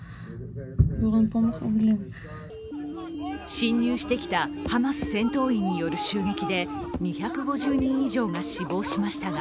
侵入してきたハマス戦闘員による襲撃で２５０人以上が死亡しましたが